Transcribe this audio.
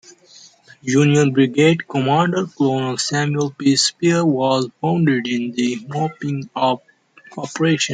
Union brigade commander Colonel Samuel P. Spear was wounded in the mopping up operation.